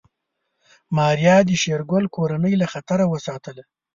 ماريا د شېرګل کورنۍ له خطر وساتله.